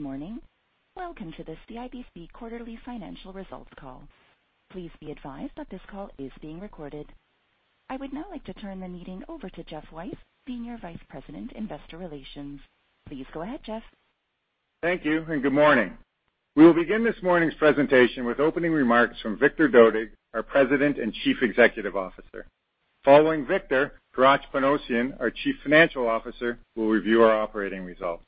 Good morning. Welcome to the CIBC Quarterly Financial Results Call. Please be advised that this call is being recorded. I would now like to turn the meeting over to Geoff Weiss, Senior Vice President, Investor Relations. Please go ahead, Geoff. Thank you, and good morning. We will begin this morning's presentation with opening remarks from Victor Dodig, our President and Chief Executive Officer. Following Victor, Hratch Panossian, our Chief Financial Officer, will review our operating results.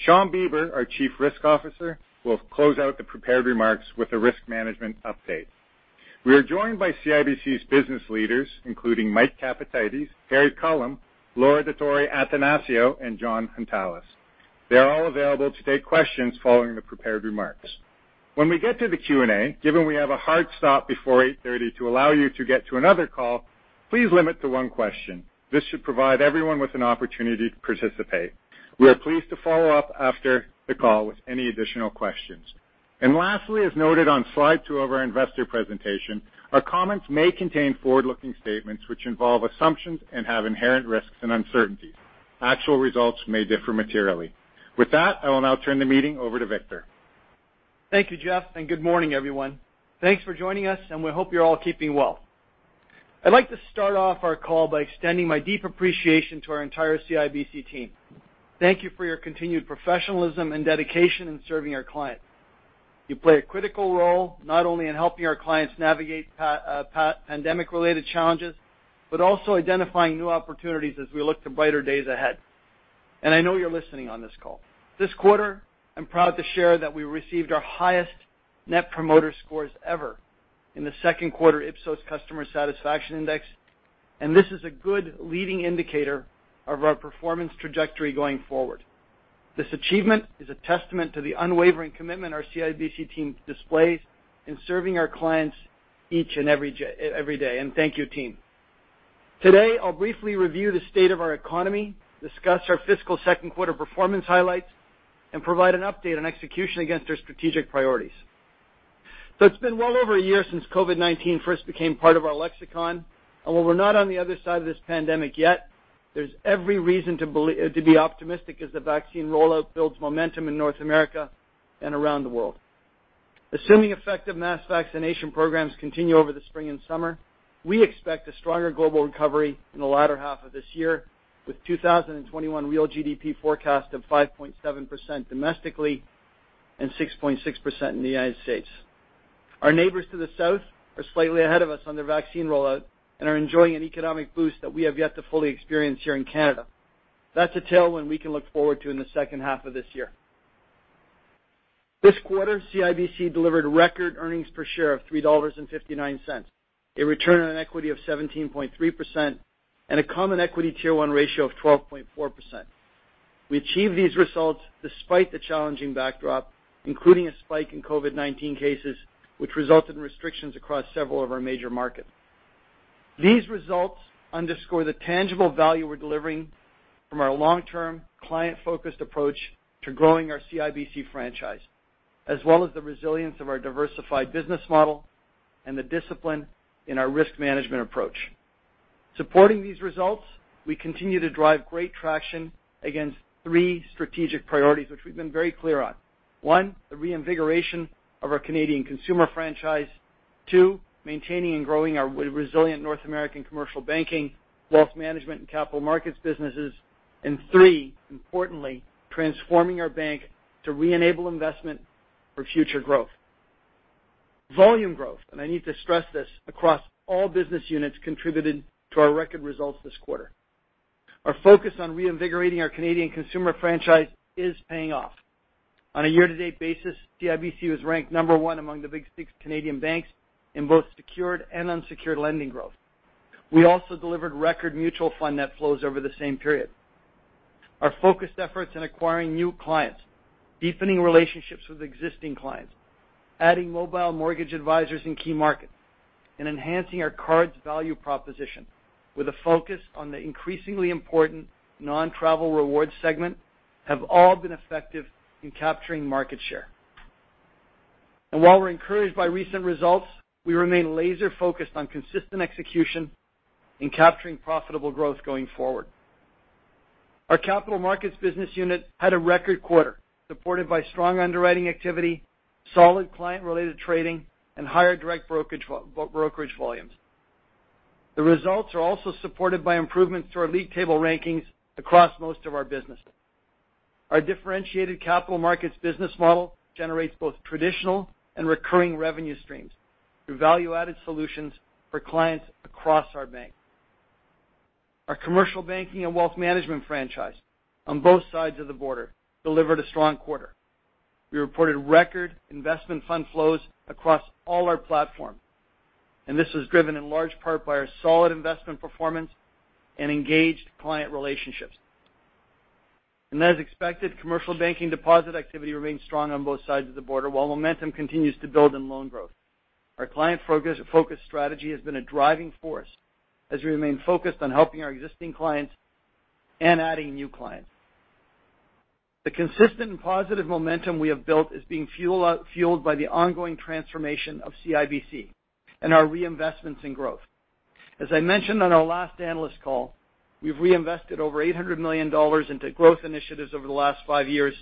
Shawn Beber, our Chief Risk Officer, will close out the prepared remarks with a risk management update. We are joined by CIBC's business leaders, including Mike Capatides, Harry Culham, Laura Dottori-Attanasio, and Jon Hountalas. They are all available to take questions following the prepared remarks. When we get to the Q&A, given we have a hard stop before 8:30 to allow you to get to another call, please limit to one question. This should provide everyone with an opportunity to participate. We are pleased to follow up after the call with any additional questions. As noted on slide two of our investor presentation, our comments may contain forward-looking statements which involve assumptions and have inherent risks and uncertainties. Actual results may differ materially. With that, I will now turn the meeting over to Victor. Thank you, Geoff, and good morning, everyone. Thanks for joining us, and we hope you're all keeping well. I'd like to start off our call by extending my deep appreciation to our entire CIBC team. Thank you for your continued professionalism and dedication in serving our clients. You play a critical role not only in helping our clients navigate pandemic-related challenges but also identifying new opportunities as we look to brighter days ahead. I know you're listening on this call. This quarter, I'm proud to share that we received our highest net promoter scores ever in the Q2 Ipsos Customer Satisfaction Index, and this is a good leading indicator of our performance trajectory going forward. This achievement is a testament to the unwavering commitment our CIBC team displays in serving our clients each and every day. Thank you, team. Today, I'll briefly review the state of our economy, discuss our fiscal Q2 performance highlights, and provide an update on execution against our strategic priorities. It has been well over a year since COVID-19 first became part of our lexicon. While we're not on the other side of this pandemic yet, there's every reason to be optimistic as the vaccine rollout builds momentum in North America and around the world. Assuming effective mass vaccination programs continue over the spring and summer, we expect a stronger global recovery in the latter half of this year with 2021 real GDP forecast of 5.7% domestically and 6.6% in the United States. Our neighbors to the south are slightly ahead of us on their vaccine rollout and are enjoying an economic boost that we have yet to fully experience here in Canada. That's a tale one we can look forward to in the second half of this year. This quarter, CIBC delivered record earnings per share of $3.59, a return on equity of 17.3%, and a common equity tier one ratio of 12.4%. We achieved these results despite the challenging backdrop, including a spike in COVID-19 cases, which resulted in restrictions across several of our major markets. These results underscore the tangible value we're delivering from our long-term, client-focused approach to growing our CIBC franchise, as well as the resilience of our diversified business model and the discipline in our risk management approach. Supporting these results, we continue to drive great traction against three strategic priorities, which we've been very clear on. One, the reinvigoration of our Canadian consumer franchise. Two, maintaining and growing our resilient North American commercial banking, wealth management, and capital markets businesses. Three, importantly, transforming our bank to re-enable investment for future growth. Volume growth, and I need to stress this, across all business units contributed to our record results this quarter. Our focus on reinvigorating our Canadian consumer franchise is paying off. On a year-to-date basis, CIBC was ranked number one among the big six Canadian banks in both secured and unsecured lending growth. We also delivered record mutual fund net flows over the same period. Our focused efforts in acquiring new clients, deepening relationships with existing clients, adding mobile mortgage advisors in key markets, and enhancing our card's value proposition with a focus on the increasingly important non-travel rewards segment have all been effective in capturing market share. While we are encouraged by recent results, we remain laser-focused on consistent execution in capturing profitable growth going forward. Our capital markets business unit had a record quarter supported by strong underwriting activity, solid client-related trading, and higher direct brokerage volumes. The results are also supported by improvements to our league table rankings across most of our business. Our differentiated capital markets business model generates both traditional and recurring revenue streams through value-added solutions for clients across our bank. Our commercial banking and wealth management franchise on both sides of the border delivered a strong quarter. We reported record investment fund flows across all our platforms, and this was driven in large part by our solid investment performance and engaged client relationships. As expected, commercial banking deposit activity remains strong on both sides of the border while momentum continues to build in loan growth. Our client-focused strategy has been a driving force as we remain focused on helping our existing clients and adding new clients. The consistent and positive momentum we have built is being fueled by the ongoing transformation of CIBC and our reinvestments in growth. As I mentioned on our last analyst call, we've reinvested over 800 million dollars into growth initiatives over the last five years,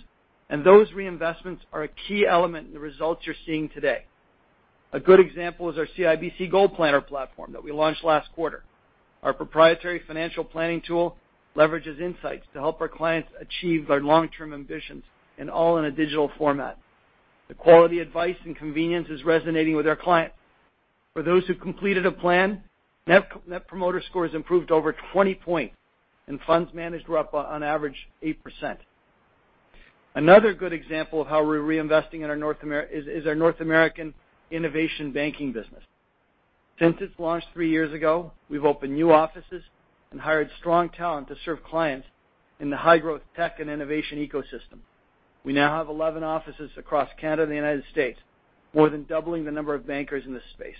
and those reinvestments are a key element in the results you're seeing today. A good example is our CIBC Gold Planner platform that we launched last quarter. Our proprietary financial planning tool leverages insights to help our clients achieve their long-term ambitions, and all in a digital format. The quality of advice and convenience is resonating with our clients. For those who completed a plan, net promoter scores improved over 20 points, and funds managed were up on average 8%. Another good example of how we're reinvesting in our North American innovation banking business. Since its launch three years ago, we've opened new offices and hired strong talent to serve clients in the high-growth tech and innovation ecosystem. We now have 11 offices across Canada and the United States, more than doubling the number of bankers in this space.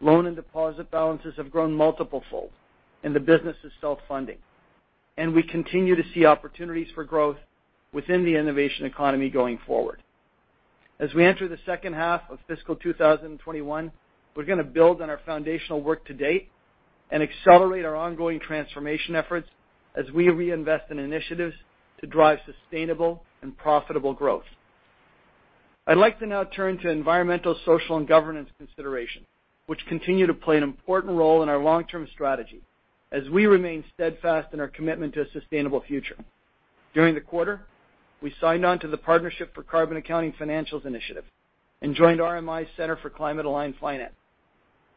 Loan and deposit balances have grown multiple-fold, and the business is self-funding. We continue to see opportunities for growth within the innovation economy going forward. As we enter the second half of fiscal 2021, we're going to build on our foundational work to date and accelerate our ongoing transformation efforts as we reinvest in initiatives to drive sustainable and profitable growth. I'd like to now turn to environmental, social, and governance considerations, which continue to play an important role in our long-term strategy as we remain steadfast in our commitment to a sustainable future. During the quarter, we signed on to the Partnership for Carbon Accounting Financials Initiative and joined RMI's Center for Climate-Aligned Finance,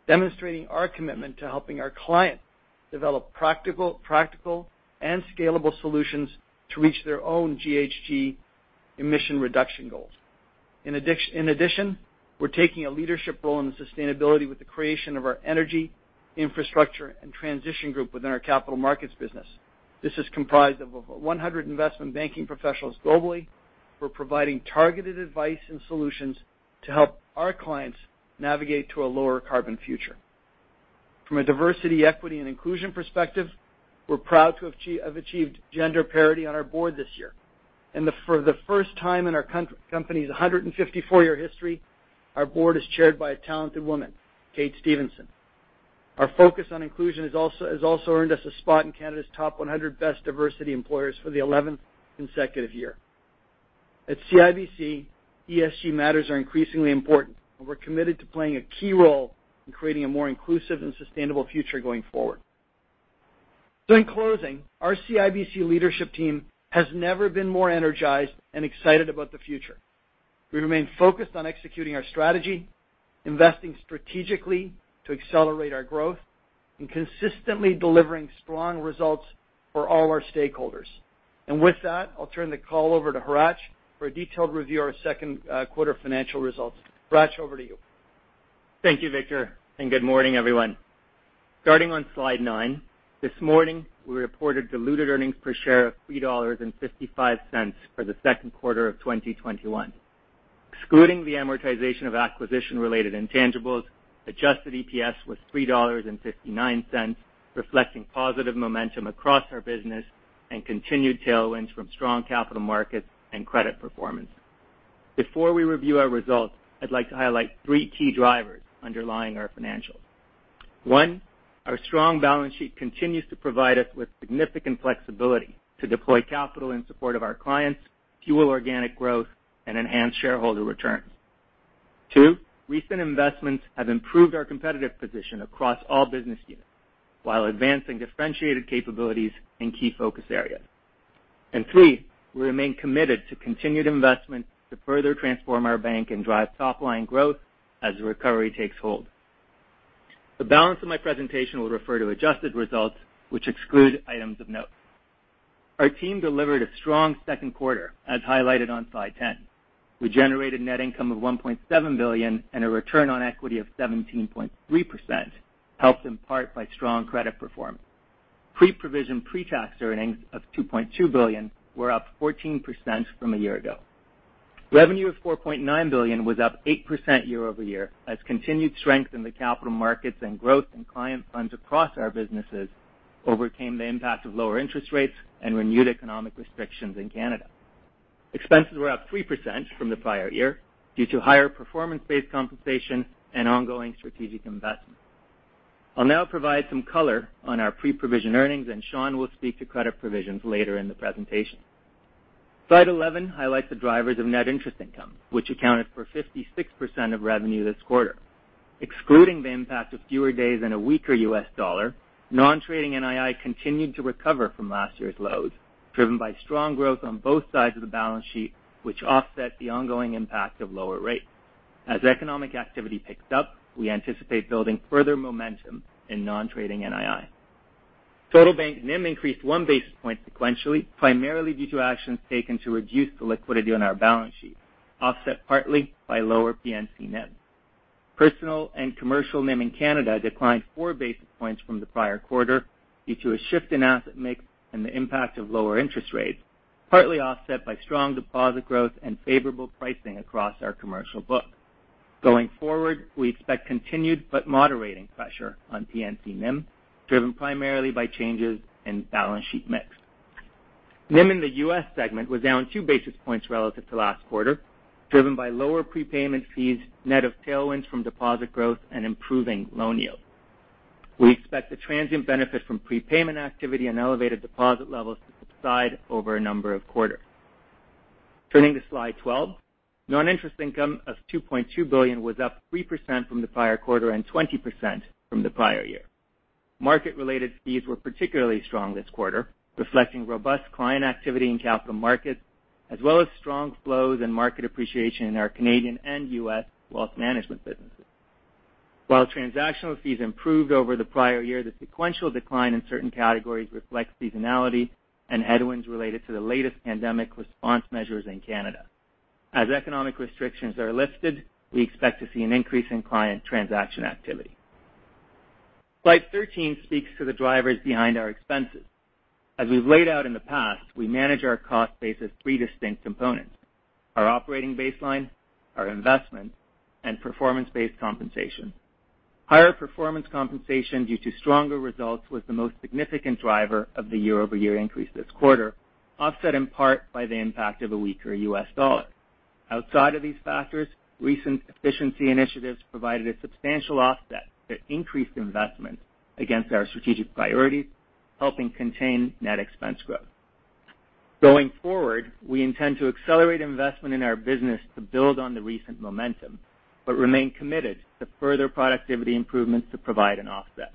demonstrating our commitment to helping our clients develop practical and scalable solutions to reach their own GHG emission reduction goals. In addition, we're taking a leadership role in sustainability with the creation of our energy infrastructure and transition group within our capital markets business. This is comprised of over 100 investment banking professionals globally who are providing targeted advice and solutions to help our clients navigate to a lower carbon future. From a diversity, equity, and inclusion perspective, we're proud to have achieved gender parity on our board this year. For the first time in our company's 154-year history, our board is chaired by a talented woman, Kate Stevenson. Our focus on inclusion has also earned us a spot in Canada's top 100 best diversity employers for the 11th consecutive year. At CIBC, ESG matters are increasingly important, and we are committed to playing a key role in creating a more inclusive and sustainable future going forward. In closing, our CIBC leadership team has never been more energized and excited about the future. We remain focused on executing our strategy, investing strategically to accelerate our growth, and consistently delivering strong results for all our stakeholders. With that, I will turn the call over to Hratch for a detailed review of our Q2 financial results. Hratch, over to you. Thank you, Victor, and good morning, everyone. Starting on slide nine, this morning, we reported diluted earnings per share of $3.55 for the Q2 of 2021. Excluding the amortization of acquisition-related intangibles, adjusted EPS was $3.59, reflecting positive momentum across our business and continued tailwinds from strong capital markets and credit performance. Before we review our results, I'd like to highlight three key drivers underlying our financials. One, our strong balance sheet continues to provide us with significant flexibility to deploy capital in support of our clients, fuel organic growth, and enhance shareholder returns. Two, recent investments have improved our competitive position across all business units while advancing differentiated capabilities and key focus areas. Three, we remain committed to continued investment to further transform our bank and drive top-line growth as the recovery takes hold. The balance of my presentation will refer to adjusted results, which exclude items of note. Our team delivered a strong Q2, as highlighted on slide 10. We generated net income of 1.7 billion, and a return on equity of 17.3%, helped in part by strong credit performance. Pre-provision pretax earnings of 2.2 billion were up 14% from a year ago. Revenue of 4.9 billion was up 8% year-over-year as continued strength in the capital markets and growth in client funds across our businesses overcame the impact of lower interest rates and renewed economic restrictions in Canada. Expenses were up 3% from the prior year due to higher performance-based compensation and ongoing strategic investment. I'll now provide some color on our pre-provision earnings, and Shawn will speak to credit provisions later in the presentation. Slide 11 highlights the drivers of net interest income, which accounted for 56% of revenue this quarter. Excluding the impact of fewer days and a weaker US dollar, non-trading NII continued to recover from last year's lows, driven by strong growth on both sides of the balance sheet, which offset the ongoing impact of lower rates. As economic activity picked up, we anticipate building further momentum in non-trading NII. Total bank NIM increased one basis point sequentially, primarily due to actions taken to reduce the liquidity on our balance sheet, offset partly by lower PNC NIM. Personal and commercial NIM in Canada declined four basis points from the prior quarter due to a shift in asset mix and the impact of lower interest rates, partly offset by strong deposit growth and favorable pricing across our commercial book. Going forward, we expect continued but moderating pressure on PNC NIM, driven primarily by changes in balance sheet mix. NIM in the US segment was down two basis points relative to last quarter, driven by lower prepayment fees, net of tailwinds from deposit growth, and improving loan yield. We expect the transient benefit from prepayment activity and elevated deposit levels to subside over a number of quarters. Turning to slide 12, non-interest income of CAD 2.2 billion was up 3% from the prior quarter and 20% from the prior year. Market-related fees were particularly strong this quarter, reflecting robust client activity in capital markets, as well as strong flows and market appreciation in our Canadian and US wealth management businesses. While transactional fees improved over the prior year, the sequential decline in certain categories reflects seasonality and headwinds related to the latest pandemic response measures in Canada. As economic restrictions are lifted, we expect to see an increase in client transaction activity. Slide 13 speaks to the drivers behind our expenses. As we've laid out in the past, we manage our cost base as three distinct components: our operating baseline, our investments, and performance-based compensation. Higher performance compensation due to stronger results was the most significant driver of the year-over-year increase this quarter, offset in part by the impact of a weaker US dollar. Outside of these factors, recent efficiency initiatives provided a substantial offset to increased investment against our strategic priorities, helping contain net expense growth. Going forward, we intend to accelerate investment in our business to build on the recent momentum but remain committed to further productivity improvements to provide an offset.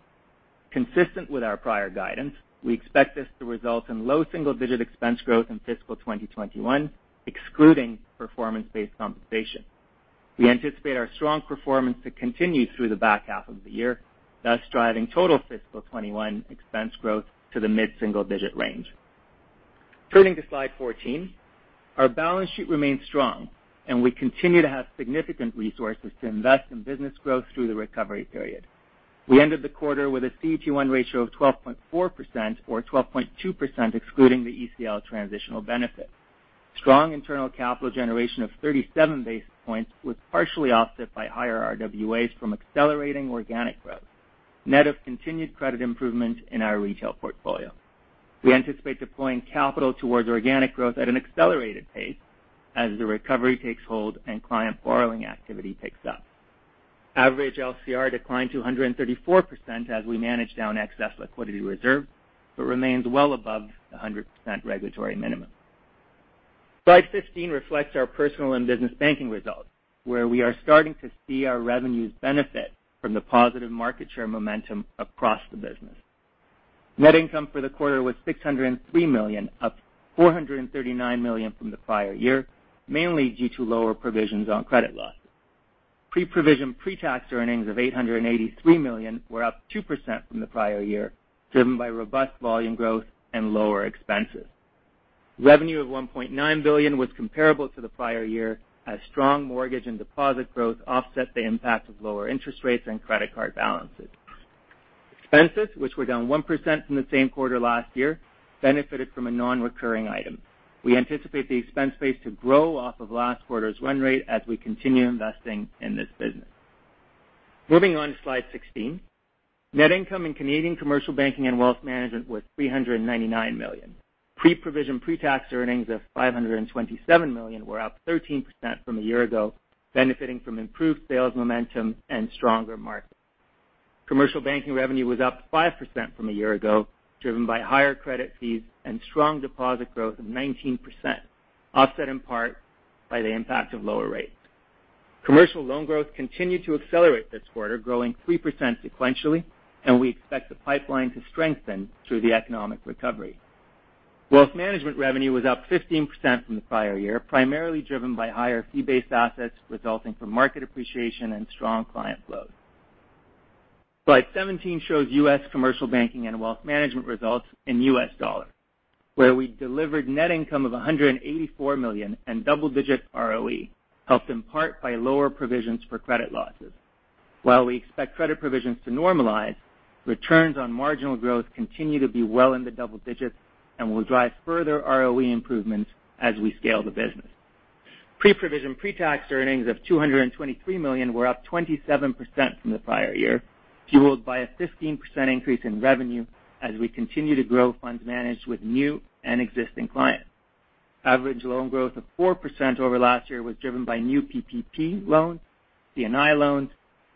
Consistent with our prior guidance, we expect this to result in low single-digit expense growth in fiscal 2021, excluding performance-based compensation. We anticipate our strong performance to continue through the back half of the year, thus driving total fiscal 2021 expense growth to the mid-single-digit range. Turning to slide 14, our balance sheet remains strong, and we continue to have significant resources to invest in business growth through the recovery period. We ended the quarter with a CET1 ratio of 12.4% or 12.2%, excluding the ECL transitional benefit. Strong internal capital generation of 37 basis points was partially offset by higher RWAs from accelerating organic growth, net of continued credit improvement in our retail portfolio. We anticipate deploying capital towards organic growth at an accelerated pace as the recovery takes hold and client borrowing activity picks up. Average LCR declined to 134% as we manage down excess liquidity reserves but remains well above the 100% regulatory minimum. Slide 15 reflects our personal and business banking results, where we are starting to see our revenues benefit from the positive market share momentum across the business. Net income for the quarter was 603 million, up 439 million from the prior year, mainly due to lower provisions on credit losses. Pre-provision pretax earnings of 883 million were up 2% from the prior year, driven by robust volume growth and lower expenses. Revenue of 1.9 billion was comparable to the prior year as strong mortgage and deposit growth offset the impact of lower interest rates and credit card balances. Expenses, which were down 1% from the same quarter last year, benefited from a non-recurring item. We anticipate the expense base to grow off of last quarter's run rate as we continue investing in this business. Moving on to slide 16, net income in Canadian commercial banking and wealth management was 399 million. Pre-provision pretax earnings of 527 million were up 13% from a year ago, benefiting from improved sales momentum and stronger markets. Commercial banking revenue was up 5% from a year ago, driven by higher credit fees and strong deposit growth of 19%, offset in part by the impact of lower rates. Commercial loan growth continued to accelerate this quarter, growing 3% sequentially, and we expect the pipeline to strengthen through the economic recovery. Wealth management revenue was up 15% from the prior year, primarily driven by higher fee-based assets resulting from market appreciation and strong client flows. Slide 17 shows US commercial banking and wealth management results in US dollars, where we delivered net income of $184 million and double-digit ROE, helped in part by lower provisions for credit losses. While we expect credit provisions to normalize, returns on marginal growth continue to be well in the double digits and will drive further ROE improvements as we scale the business. Pre-provision pretax earnings of 223 million were up 27% from the prior year, fueled by a 15% increase in revenue as we continue to grow funds managed with new and existing clients. Average loan growth of 4% over last year was driven by new PPP loans, CNI loans,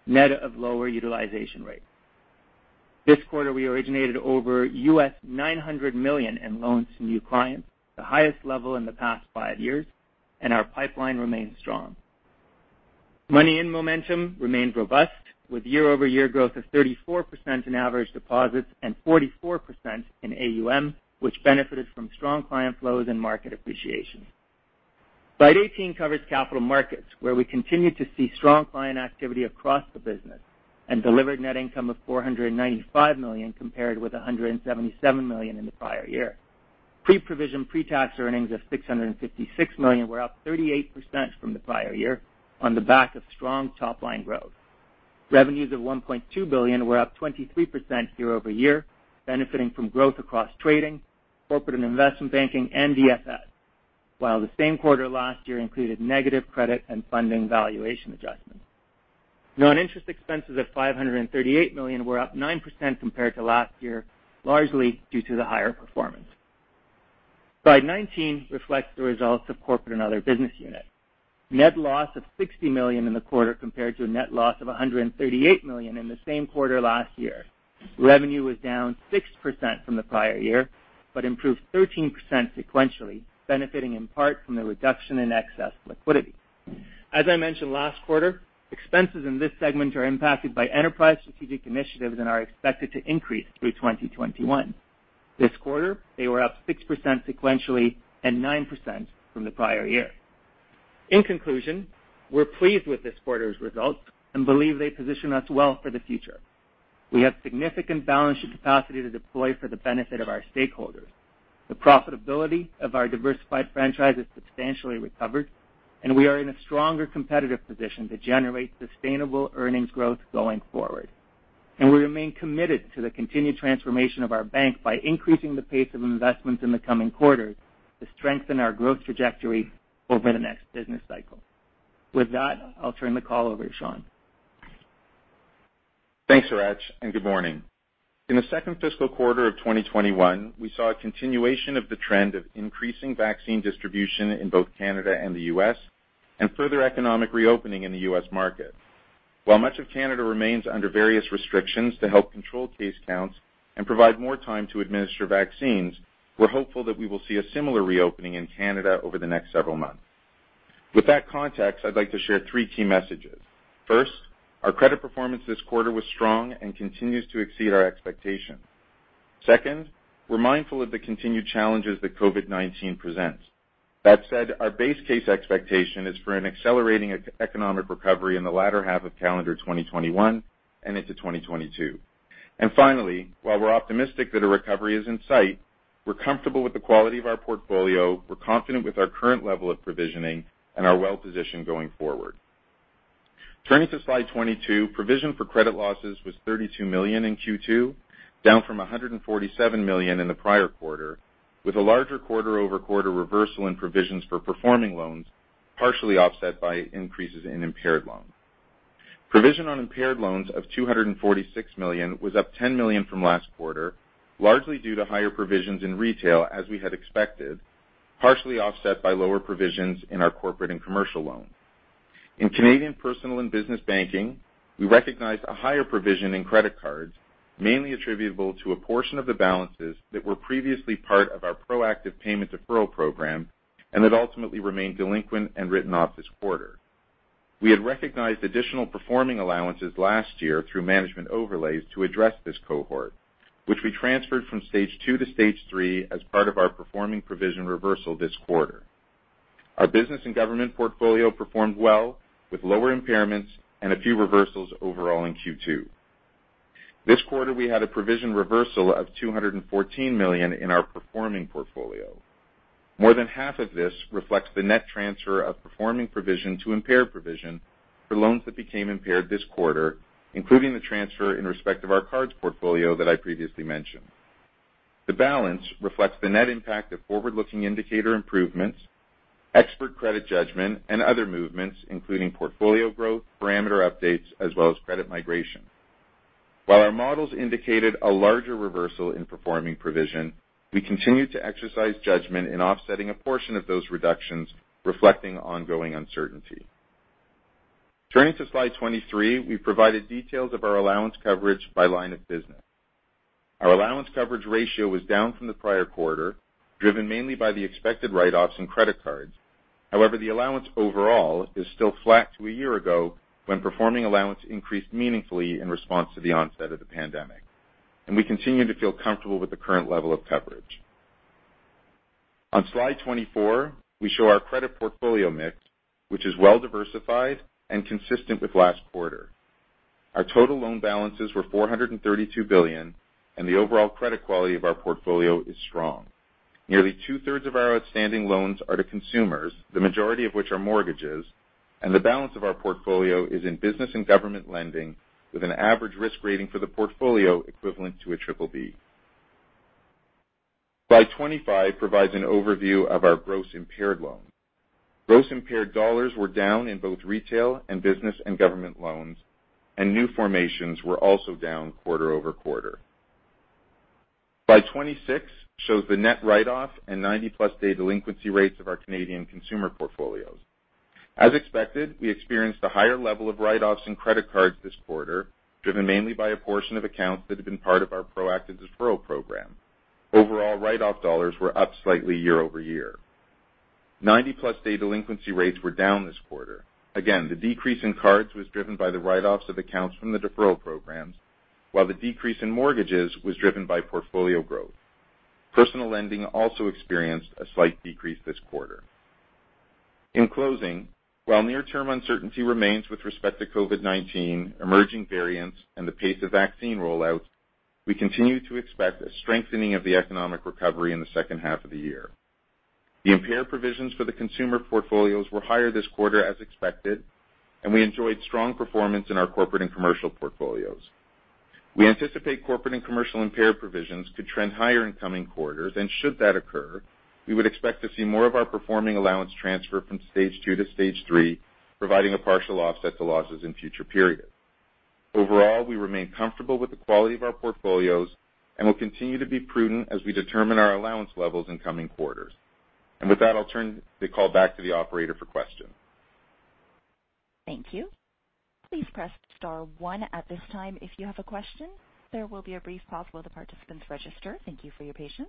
net of lower utilization rates. This quarter, we originated over $900 million in loans to new clients, the highest level in the past five years, and our pipeline remains strong. Momentum remained robust, with year-over-year growth of 34% in average deposits and 44% in AUM, which benefited from strong client flows and market appreciation. Slide 18 covers capital markets, where we continue to see strong client activity across the business and delivered net income of 495 million compared with 177 million in the prior year. Pre-provision pretax earnings of 656 million were up 38% from the prior year on the back of strong top-line growth. Revenues of 1.2 billion were up 23% year-over-year, benefiting from growth across trading, corporate and investment banking, and DFS, while the same quarter last year included negative credit and funding valuation adjustments. Non-interest expenses of 538 million were up 9% compared to last year, largely due to the higher performance. Slide 19 reflects the results of corporate and other business units. Net loss of 60 million in the quarter compared to a net loss of 138 million in the same quarter last year. Revenue was down 6% from the prior year but improved 13% sequentially, benefiting in part from the reduction in excess liquidity. As I mentioned last quarter, expenses in this segment are impacted by enterprise strategic initiatives and are expected to increase through 2021. This quarter, they were up 6% sequentially and 9% from the prior year. In conclusion, we are pleased with this quarter's results and believe they position us well for the future. We have significant balance sheet capacity to deploy for the benefit of our stakeholders. The profitability of our diversified franchise has substantially recovered, and we are in a stronger competitive position to generate sustainable earnings growth going forward. We remain committed to the continued transformation of our bank by increasing the pace of investments in the coming quarters to strengthen our growth trajectory over the next business cycle. With that, I'll turn the call over to Shawn. Thanks, Hratch, and good morning. In the second fiscal quarter of 2021, we saw a continuation of the trend of increasing vaccine distribution in both Canada and the U.S. and further economic reopening in the U.S. market. While much of Canada remains under various restrictions to help control case counts and provide more time to administer vaccines, we're hopeful that we will see a similar reopening in Canada over the next several months. With that context, I'd like to share three key messages. First, our credit performance this quarter was strong and continues to exceed our expectations. Second, we're mindful of the continued challenges that COVID-19 presents. That said, our base case expectation is for an accelerating economic recovery in the latter half of calendar 2021 and into 2022. Finally, while we're optimistic that a recovery is in sight, we're comfortable with the quality of our portfolio, we're confident with our current level of provisioning, and are well positioned going forward. Turning to slide 22, provision for credit losses was 32 million in Q2, down from 147 million in the prior quarter, with a larger quarter-over-quarter reversal in provisions for performing loans, partially offset by increases in impaired loans. Provision on impaired loans of CAD 246 million was up CAD 10 million from last quarter, largely due to higher provisions in retail, as we had expected, partially offset by lower provisions in our corporate and commercial loans. In Canadian personal and business banking, we recognized a higher provision in credit cards, mainly attributable to a portion of the balances that were previously part of our proactive payment deferral program and that ultimately remained delinquent and written off this quarter. We had recognized additional performing allowances last year through management overlays to address this cohort, which we transferred from stage two to stage three as part of our performing provision reversal this quarter. Our business and government portfolio performed well with lower impairments and a few reversals overall in Q2. This quarter, we had a provision reversal of 214 million in our performing portfolio. More than half of this reflects the net transfer of performing provision to impaired provision for loans that became impaired this quarter, including the transfer in respect of our cards portfolio that I previously mentioned. The balance reflects the net impact of forward-looking indicator improvements, expert credit judgment, and other movements, including portfolio growth, parameter updates, as well as credit migration. While our models indicated a larger reversal in performing provision, we continue to exercise judgment in offsetting a portion of those reductions reflecting ongoing uncertainty. Turning to slide 23, we provided details of our allowance coverage by line of business. Our allowance coverage ratio was down from the prior quarter, driven mainly by the expected write-offs in credit cards. However, the allowance overall is still flat to a year ago when performing allowance increased meaningfully in response to the onset of the pandemic. We continue to feel comfortable with the current level of coverage. On slide 24, we show our credit portfolio mix, which is well diversified and consistent with last quarter. Our total loan balances were 432 billion, and the overall credit quality of our portfolio is strong. Nearly two-thirds of our outstanding loans are to consumers, the majority of which are mortgages, and the balance of our portfolio is in business and government lending with an average risk rating for the portfolio equivalent to a BBB. Slide 25 provides an overview of our gross impaired loans. Gross impaired dollars were down in both retail and business and government loans, and new formations were also down quarter over quarter. Slide 26 shows the net write-off and 90-plus-day delinquency rates of our Canadian consumer portfolios. As expected, we experienced a higher level of write-offs in credit cards this quarter, driven mainly by a portion of accounts that had been part of our proactive deferral program. Overall, write-off dollars were up slightly year-over-year. 90-plus-day delinquency rates were down this quarter. Again, the decrease in cards was driven by the write-offs of accounts from the deferral programs, while the decrease in mortgages was driven by portfolio growth. Personal lending also experienced a slight decrease this quarter. In closing, while near-term uncertainty remains with respect to COVID-19, emerging variants, and the pace of vaccine rollouts, we continue to expect a strengthening of the economic recovery in the second half of the year. The impaired provisions for the consumer portfolios were higher this quarter as expected, and we enjoyed strong performance in our corporate and commercial portfolios. We anticipate corporate and commercial impaired provisions could trend higher in coming quarters, and should that occur, we would expect to see more of our performing allowance transfer from stage two to stage three, providing a partial offset to losses in future periods. Overall, we remain comfortable with the quality of our portfolios and will continue to be prudent as we determine our allowance levels in coming quarters. I will turn the call back to the operator for questions. Thank you. Please press star one at this time if you have a question. There will be a brief pause while the participants register. Thank you for your patience.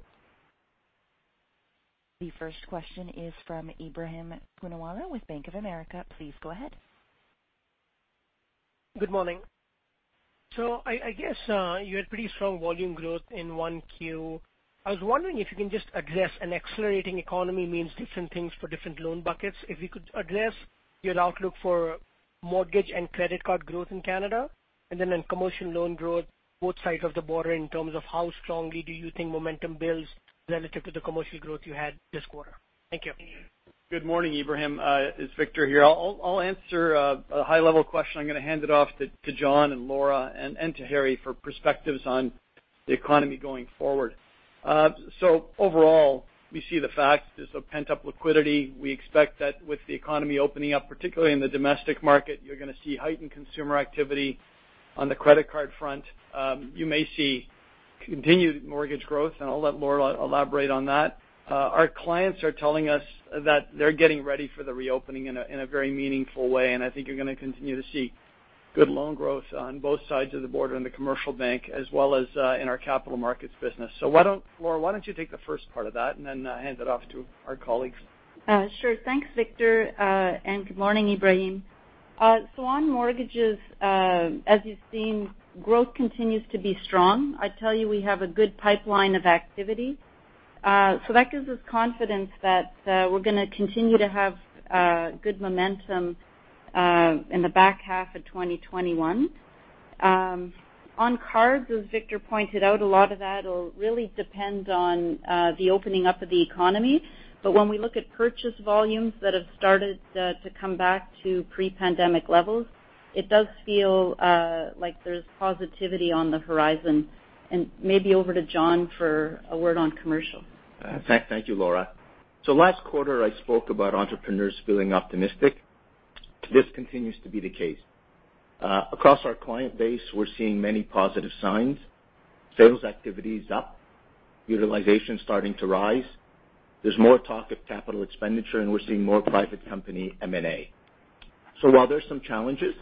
The first question is from Ebrahim Poonawala with Bank of America. Please go ahead. Good morning. I guess you had pretty strong volume growth in Q1. I was wondering if you can just address an accelerating economy means different things for different loan buckets. If you could address your outlook for mortgage and credit card growth in Canada and then on commercial loan growth, both sides of the border in terms of how strongly do you think momentum builds relative to the commercial growth you had this quarter. Thank you. Good morning, Ebrahim. It's Victor here. I'll answer a high-level question. I'm going to hand it off to Jon and Laura and to Harry for perspectives on the economy going forward. Overall, we see the facts: there's a pent-up liquidity. We expect that with the economy opening up, particularly in the domestic market, you're going to see heightened consumer activity on the credit card front. You may see continued mortgage growth, and I'll let Laura elaborate on that. Our clients are telling us that they're getting ready for the reopening in a very meaningful way, and I think you're going to continue to see good loan growth on both sides of the border in the commercial bank as well as in our capital markets business. Laura, why don't you take the first part of that and then hand it off to our colleagues? Sure. Thanks, Victor. Good morning, Ebrahim. On mortgages, as you've seen, growth continues to be strong. I tell you we have a good pipeline of activity. That gives us confidence that we're going to continue to have good momentum in the back half of 2021. On cards, as Victor pointed out, a lot of that will really depend on the opening up of the economy. When we look at purchase volumes that have started to come back to pre-pandemic levels, it does feel like there's positivity on the horizon. Maybe over to Jon for a word on commercial. Thank you, Laura. Last quarter, I spoke about entrepreneurs feeling optimistic. This continues to be the case. Across our client base, we're seeing many positive signs. Sales activity is up, utilization is starting to rise. There's more talk of capital expenditure, and we're seeing more private company M&A. While there are some challenges,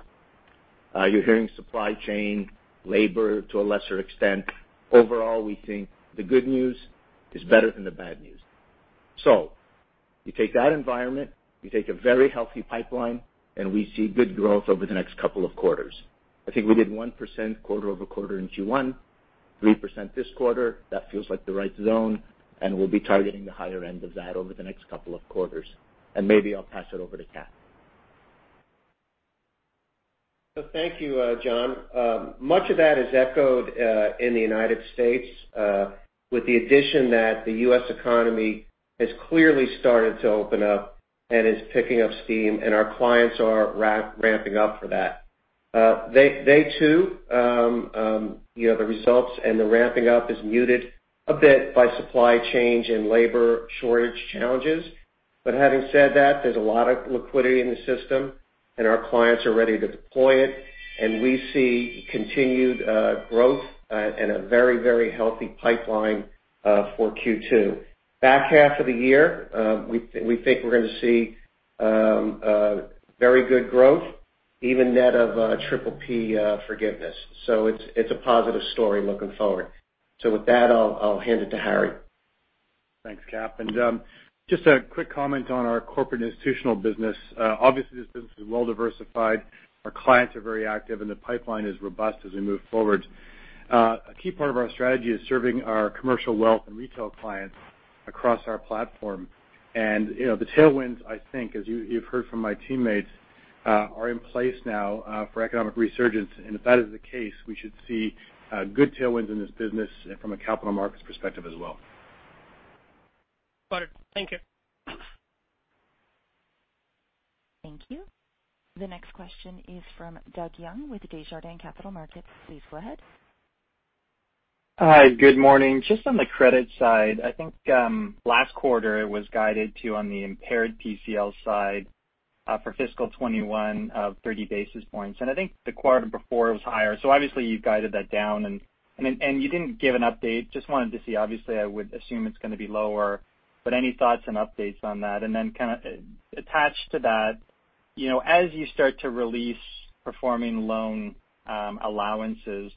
you're hearing supply chain, labor to a lesser extent, overall, we think the good news is better than the bad news. You take that environment, you take a very healthy pipeline, and we see good growth over the next couple of quarters. I think we did 1% quarter over quarter in Q1, 3% this quarter. That feels like the right zone, and we'll be targeting the higher end of that over the next couple of quarters. Maybe I'll pass it over to Kat. Thank you, Jon. Much of that is echoed in the United States with the addition that the US economy has clearly started to open up and is picking up steam, and our clients are ramping up for that. They too, the results and the ramping up is muted a bit by supply chain and labor shortage challenges. Having said that, there's a lot of liquidity in the system, and our clients are ready to deploy it. We see continued growth and a very, very healthy pipeline for Q2. Back half of the year, we think we're going to see very good growth, even net of PPP forgiveness. It is a positive story looking forward. With that, I'll hand it to Harry. Thanks, Kat. Just a quick comment on our corporate institutional business. Obviously, this business is well diversified. Our clients are very active, and the pipeline is robust as we move forward. A key part of our strategy is serving our commercial, wealth, and retail clients across our platform. The tailwinds, I think, as you've heard from my teammates, are in place now for economic resurgence. If that is the case, we should see good tailwinds in this business from a capital markets perspective as well. Got it. Thank you. Thank you. The next question is from Doug Young with Desjardins Capital Markets. Please go ahead. Hi. Good morning. Just on the credit side, I think last quarter it was guided to on the impaired PCL side for fiscal 2021 of 30 basis points. I think the quarter before it was higher. Obviously, you guided that down, and you did not give an update. Just wanted to see. Obviously, I would assume it is going to be lower. Any thoughts and updates on that? Kind of attached to that, as you start to release performing loan allowances,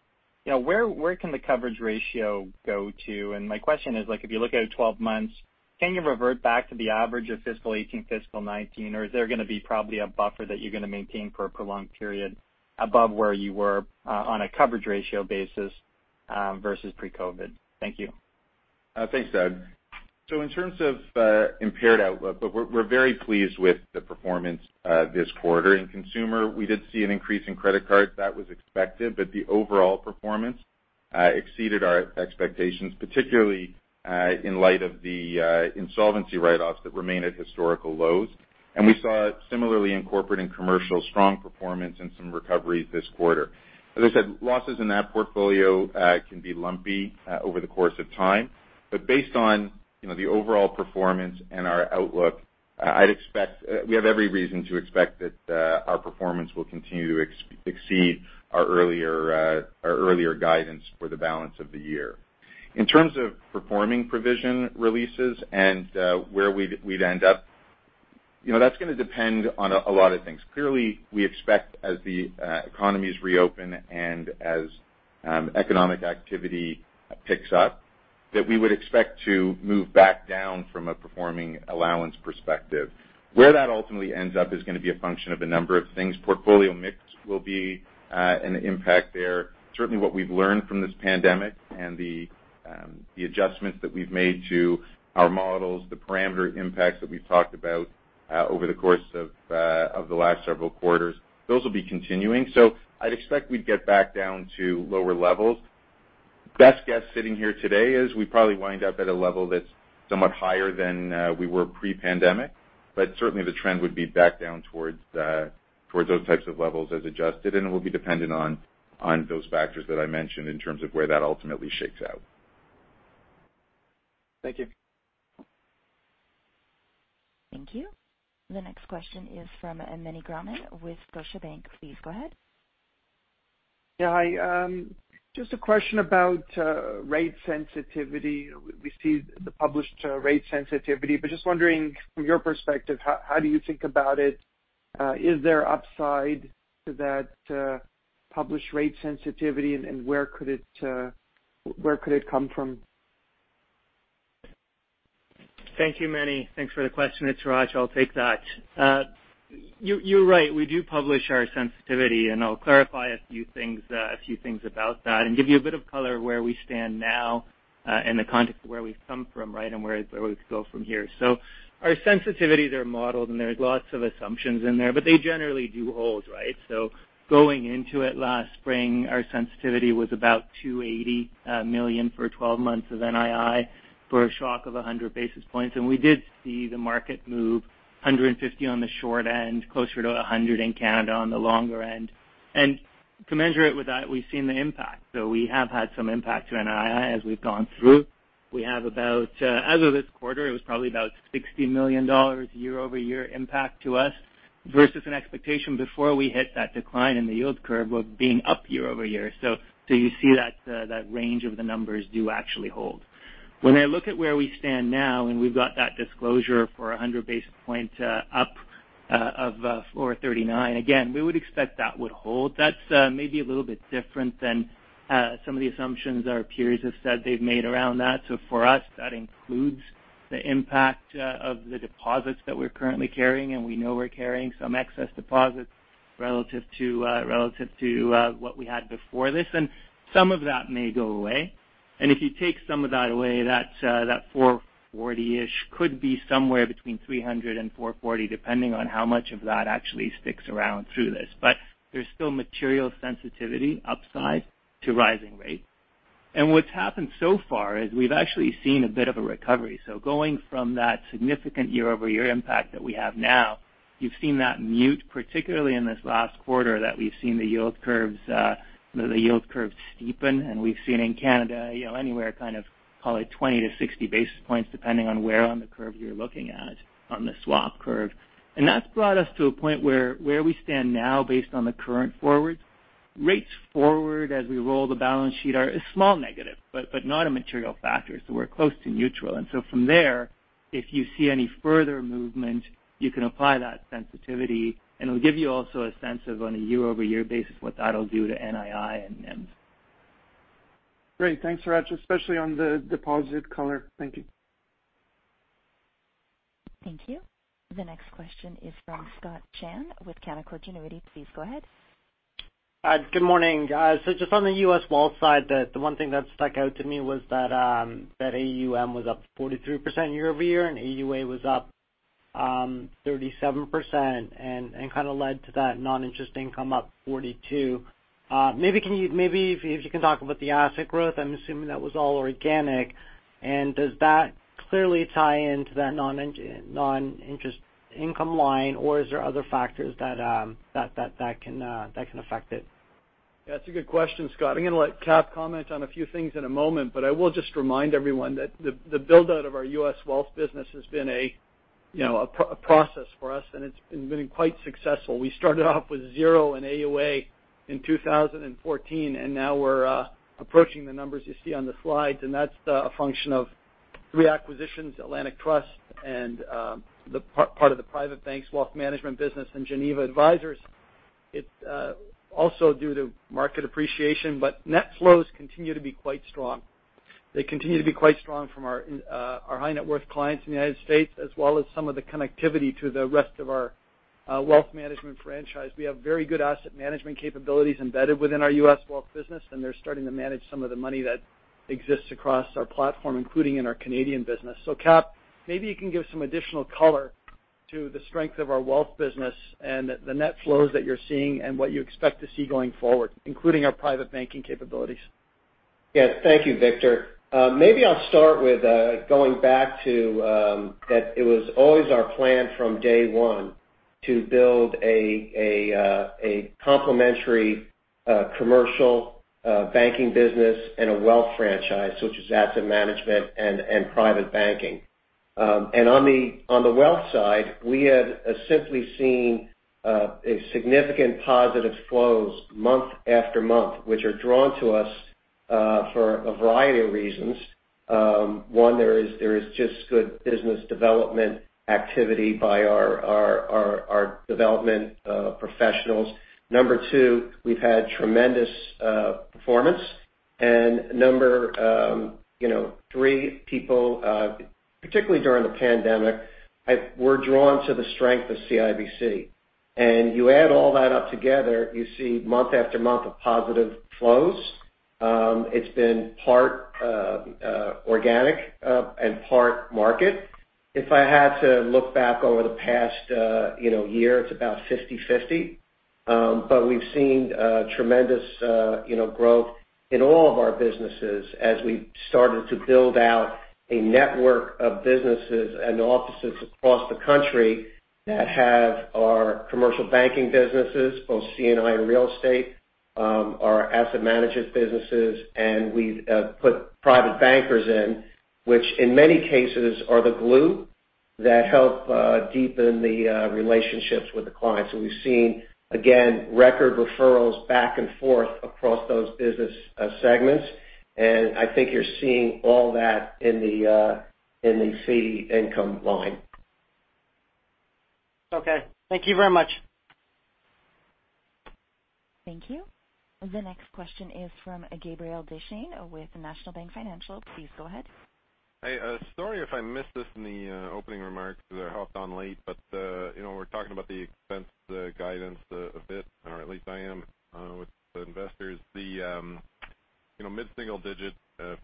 where can the coverage ratio go to? My question is, if you look at 12 months, can you revert back to the average of fiscal 2018, fiscal 2019, or is there going to be probably a buffer that you're going to maintain for a prolonged period above where you were on a coverage ratio basis versus pre-COVID? Thank you. Thanks, Doug. In terms of impaired outlook, we're very pleased with the performance this quarter. In consumer, we did see an increase in credit cards. That was expected, but the overall performance exceeded our expectations, particularly in light of the insolvency write-offs that remain at historical lows. We saw similarly in corporate and commercial strong performance and some recoveries this quarter. As I said, losses in that portfolio can be lumpy over the course of time. Based on the overall performance and our outlook, we have every reason to expect that our performance will continue to exceed our earlier guidance for the balance of the year. In terms of performing provision releases and where we'd end up, that's going to depend on a lot of things. Clearly, we expect as the economies reopen and as economic activity picks up that we would expect to move back down from a performing allowance perspective. Where that ultimately ends up is going to be a function of a number of things. Portfolio mix will be an impact there. Certainly, what we've learned from this pandemic and the adjustments that we've made to our models, the parameter impacts that we've talked about over the course of the last several quarters, those will be continuing. I expect we'd get back down to lower levels. Best guess sitting here today is we probably wind up at a level that's somewhat higher than we were pre-pandemic. Certainly, the trend would be back down towards those types of levels as adjusted. It will be dependent on those factors that I mentioned in terms of where that ultimately shakes out. Thank you. Thank you. The next question is from Meny Grauman with Scotiabank. Please go ahead. Hi. Just a question about rate sensitivity. We see the published rate sensitivity, but just wondering from your perspective, how do you think about it? Is there upside to that published rate sensitivity, and where could it come from? Thank you, Manny. Thanks for the question. It's Hratch. I'll take that. You're right. We do publish our sensitivity, and I'll clarify a few things about that and give you a bit of color where we stand now in the context of where we've come from and where we could go from here. Our sensitivities are modeled, and there's lots of assumptions in there, but they generally do hold. Going into it last spring, our sensitivity was about 280 million for 12 months of NII for a shock of 100 basis points. We did see the market move 150 on the short end, closer to 100 in Canada on the longer end. To measure it with that, we've seen the impact. We have had some impact to NII as we've gone through. We have about, as of this quarter, it was probably about CAD 60 million year-over-year impact to us versus an expectation before we hit that decline in the yield curve of being up year-over-year. You see that range of the numbers do actually hold. When I look at where we stand now, and we have that disclosure for 100 basis points up of 439, again, we would expect that would hold. That is maybe a little bit different than some of the assumptions our peers have said they have made around that. For us, that includes the impact of the deposits that we are currently carrying, and we know we are carrying some excess deposits relative to what we had before this. Some of that may go away. If you take some of that away, that 440-ish could be somewhere between 300 and 440, depending on how much of that actually sticks around through this. There is still material sensitivity upside to rising rates. What has happened so far is we have actually seen a bit of a recovery. Going from that significant year-over-year impact that we have now, you have seen that mute, particularly in this last quarter that we have seen the yield curves steepen. We have seen in Canada anywhere, call it, 20-60 basis points, depending on where on the curve you are looking at, on the swap curve. That has brought us to a point where we stand now based on the current forwards. Rates forward, as we roll the balance sheet, are a small negative, but not a material factor. We are close to neutral. From there, if you see any further movement, you can apply that sensitivity. It will give you also a sense of, on a year-over-year basis, what that will do to NII and NIMs. Great. Thanks, Hratch, especially on the deposit color. Thank you. Thank you. The next question is from Scott Chan with Canaccord Genuity. Please go ahead. Good morning. Just on the US Wealth side, the one thing that stuck out to me was that AUM was up 43% year-over-year, and AUA was up 37% and kind of led to that non-interest income up 42%. Maybe if you can talk about the asset growth, I'm assuming that was all organic. Does that clearly tie into that non-interest income line, or are there other factors that can affect it? That's a good question, Scott. I'm going to let Kat comment on a few things in a moment, but I will just remind everyone that the build-out of our US wealth business has been a process for us, and it's been quite successful. We started off with zero in AUA in 2014, and now we're approaching the numbers you see on the slides. That's a function of three acquisitions: Atlantic Trust and part of the private bank's wealth management business and Geneva Advisors. It's also due to market appreciation, but net flows continue to be quite strong. They continue to be quite strong from our high-net-worth clients in the United States, as well as some of the connectivity to the rest of our wealth management franchise. We have very good asset management capabilities embedded within our US wealth business, and they're starting to manage some of the money that exists across our platform, including in our Canadian business. Kat, maybe you can give some additional color to the strength of our wealth business and the net flows that you're seeing and what you expect to see going forward, including our private banking capabilities. Yes. Thank you, Victor. Maybe I'll start with going back to that it was always our plan from day one to build a complementary commercial banking business and a wealth franchise, which is asset management and private banking. On the wealth side, we have simply seen significant positive flows month after month, which are drawn to us for a variety of reasons. One, there is just good business development activity by our development professionals. Number two, we've had tremendous performance. Number three, people, particularly during the pandemic, were drawn to the strength of CIBC. You add all that up together, you see month after month of positive flows. It has been part organic and part market. If I had to look back over the past year, it is about 50/50. We have seen tremendous growth in all of our businesses as we have started to build out a network of businesses and offices across the country that have our commercial banking businesses, both CNI and real estate, our asset management businesses, and we have put private bankers in, which in many cases are the glue that help deepen the relationships with the clients. We have seen, again, record referrals back and forth across those business segments. I think you are seeing all that in the C income line. Thank you very much. Thank you. The next question is from Gabriel Dechaine with National Bank Financial. Please go ahead. Sorry if I missed this in the opening remarks. I hopped on late, but we're talking about the expense guidance a bit, or at least I am with investors. The mid-single-digit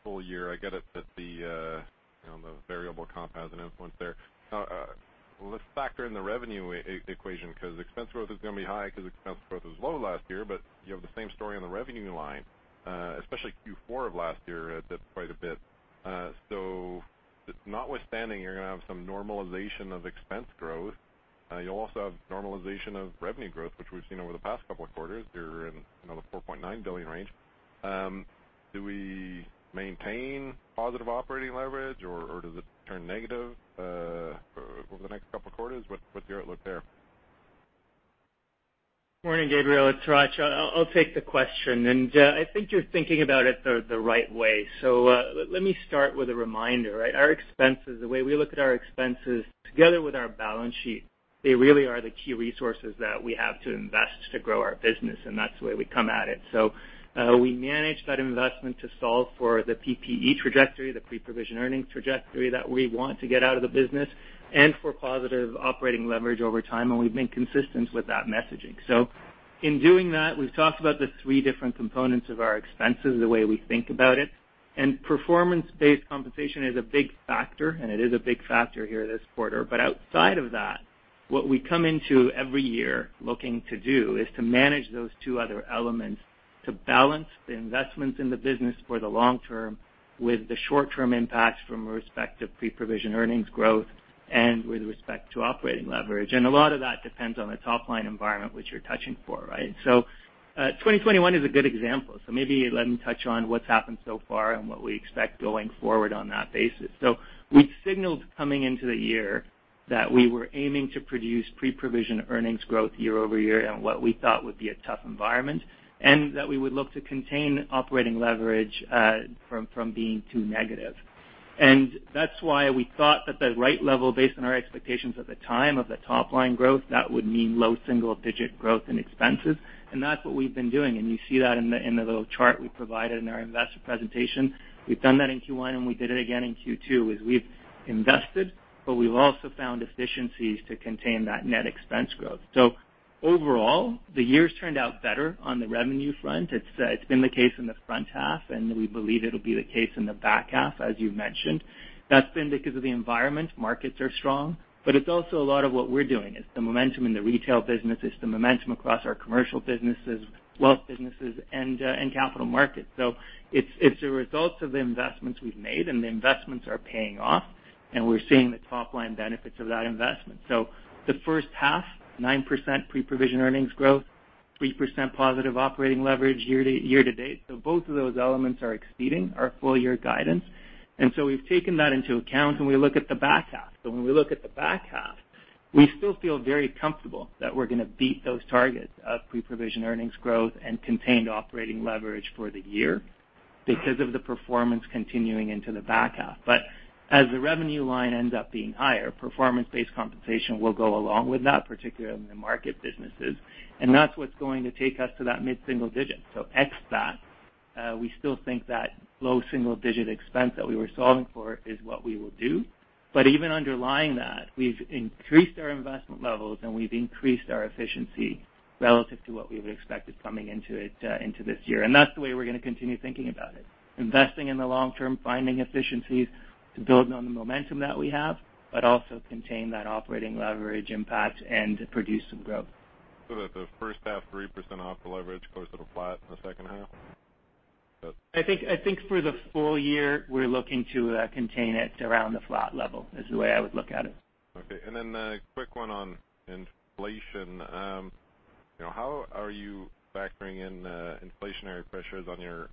full year, I get it that the variable comp has an influence there. Let's factor in the revenue equation because expense growth is going to be high because expense growth was low last year, but you have the same story on the revenue line, especially Q4 of last year. It dipped quite a bit. Notwithstanding, you're going to have some normalization of expense growth. You'll also have normalization of revenue growth, which we've seen over the past couple of quarters. You're in the 4.9 billion range. Do we maintain positive operating leverage, or does it turn negative over the next couple of quarters? What's your outlook there? Morning, Gabriel. It's Hratch. I'll take the question. I think you're thinking about it the right way. Let me start with a reminder. Our expenses, the way we look at our expenses together with our balance sheet, they really are the key resources that we have to invest to grow our business, and that's the way we come at it. We manage that investment to solve for the PPE trajectory, the pre-provision earnings trajectory that we want to get out of the business, and for positive operating leverage over time. We've been consistent with that messaging. In doing that, we've talked about the three different components of our expenses, the way we think about it. Performance-based compensation is a big factor, and it is a big factor here this quarter. Outside of that, what we come into every year looking to do is to manage those two other elements to balance the investments in the business for the long term with the short-term impacts from respect to pre-provision earnings growth and with respect to operating leverage. A lot of that depends on the top-line environment, which you're touching for. 2021 is a good example. Maybe let me touch on what's happened so far and what we expect going forward on that basis. We signaled coming into the year that we were aiming to produce pre-provision earnings growth year-over-year in what we thought would be a tough environment and that we would look to contain operating leverage from being too negative. That is why we thought that the right level, based on our expectations at the time of the top-line growth, that would mean low single-digit growth in expenses. That is what we have been doing. You see that in the little chart we provided in our investor presentation. We have done that in Q1, and we did it again in Q2. We have invested, but we have also found efficiencies to contain that net expense growth. Overall, the year has turned out better on the revenue front. It has been the case in the front half, and we believe it will be the case in the back half, as you mentioned. That has been because of the environment. Markets are strong, but it is also a lot of what we are doing. It is the momentum in the retail business. It is the momentum across our commercial businesses, wealth businesses, and capital markets. It is a result of the investments we have made, and the investments are paying off, and we are seeing the top-line benefits of that investment. The first half, 9% pre-provision earnings growth, 3% positive operating leverage year-to-date. Both of those elements are exceeding our full-year guidance. We have taken that into account when we look at the back half. When we look at the back half, we still feel very comfortable that we are going to beat those targets of pre-provision earnings growth and contained operating leverage for the year because of the performance continuing into the back half. As the revenue line ends up being higher, performance-based compensation will go along with that, particularly in the market businesses. That is what is going to take us to that mid-single digit. X that. We still think that low single-digit expense that we were solving for is what we will do. Even underlying that, we've increased our investment levels, and we've increased our efficiency relative to what we would expect coming into this year. That's the way we're going to continue thinking about it. Investing in the long term, finding efficiencies to build on the momentum that we have, but also contain that operating leverage impact and produce some growth. The first half, 3% off the leverage, close to flat in the second half? I think for the full year, we're looking to contain it around the flat level is the way I would look at it. Okay. A quick one on inflation. How are you factoring in inflationary pressures on your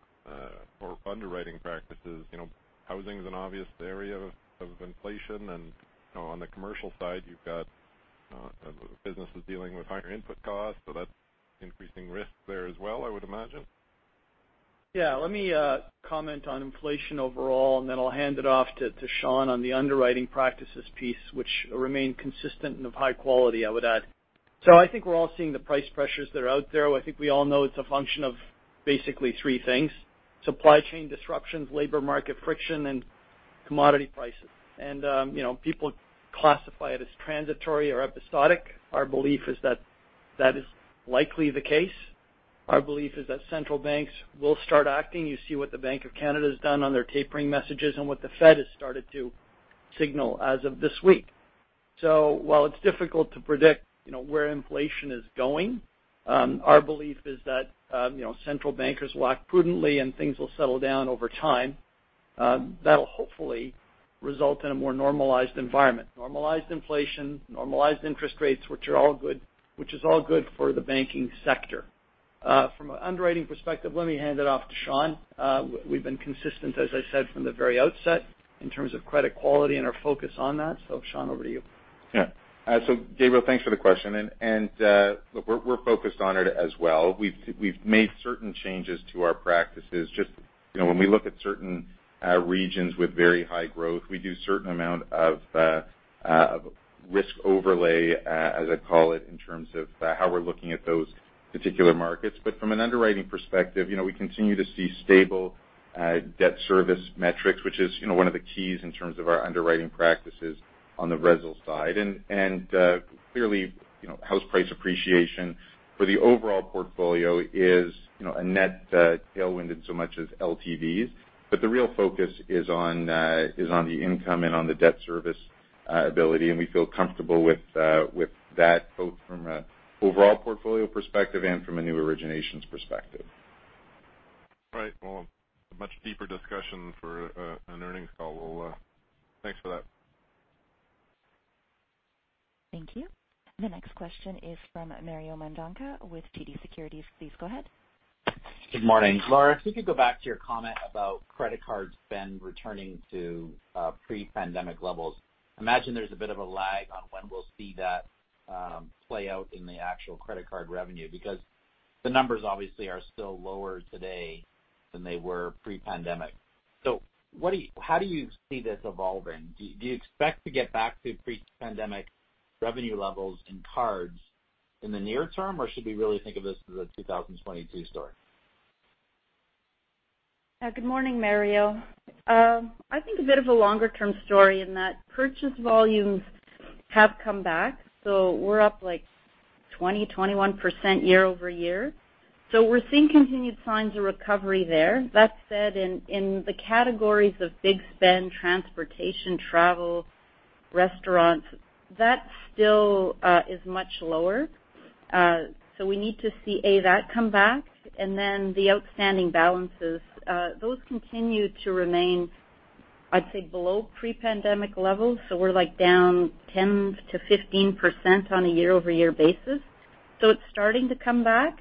underwriting practices? Housing is an obvious area of inflation. On the commercial side, you've got businesses dealing with higher input costs. That is increasing risk there as well, I would imagine. Yeah. Let me comment on inflation overall, and then I'll hand it off to Shawn on the underwriting practices piece, which remain consistent and of high quality, I would add. I think we're all seeing the price pressures that are out there. I think we all know it's a function of basically three things: supply chain disruptions, labor market friction, and commodity prices. People classify it as transitory or episodic. Our belief is that that is likely the case. Our belief is that central banks will start acting. You see what the Bank of Canada has done on their tapering messages and what the Fed has started to signal as of this week. While it's difficult to predict where inflation is going, our belief is that central bankers will act prudently and things will settle down over time. That will hopefully result in a more normalized environment, normalized inflation, normalized interest rates, which is all good for the banking sector. From an underwriting perspective, let me hand it off to Shawn. We've been consistent, as I said, from the very outset in terms of credit quality and our focus on that. Shawn, over to you. Yeah. Gabriel, thanks for the question. We're focused on it as well. We've made certain changes to our practices. Just when we look at certain regions with very high growth, we do a certain amount of risk overlay, as I call it, in terms of how we're looking at those particular markets. From an underwriting perspective, we continue to see stable debt service metrics, which is one of the keys in terms of our underwriting practices on the Resil side. Clearly, house price appreciation for the overall portfolio is a net tailwind in so much as LTVs. The real focus is on the income and on the debt service ability. We feel comfortable with that both from an overall portfolio perspective and from a new originations perspective. A much deeper discussion for an earnings call. Thanks for that. Thank you. The next question is from Mario Mendonca with TD Securities. Please go ahead. Good morning Laura, if we could go back to your comment about credit card spend returning to pre-pandemic levels, imagine there's a bit of a lag on when we'll see that play out in the actual credit card revenue because the numbers obviously are still lower today than they were pre-pandemic. How do you see this evolving? Do you expect to get back to pre-pandemic revenue levels in cards in the near term, or should we really think of this as a 2022 story? Good morning, Mario. I think a bit of a longer-term story in that purchase volumes have come back. We're up like 20%-21 year-over-year. We're seeing continued signs of recovery there. That said, in the categories of big spend, transportation, travel, restaurants, that still is much lower. We need to see, A, that come back, and then the outstanding balances, those continue to remain, I'd say, below pre-pandemic levels. We're down 10%-15 on a year-over-year basis. It's starting to come back.